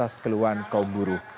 atas keluhan kaum buruh